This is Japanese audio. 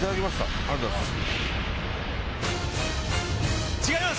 ありがとうございます。